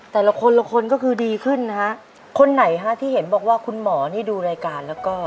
แต่ละคนละคนก็คือดีขึ้นนะฮะคนไหนฮะที่เห็นบอกว่าคุณหมอนี่ดูรายการแล้วก็